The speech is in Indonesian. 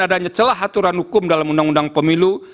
adanya celah aturan hukum dalam undang undang pemilu